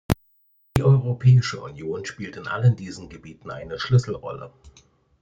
Die Europäische Union spielt in allen diesen Gebieten eine Schlüsselrolle.